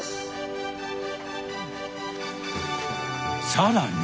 さらに！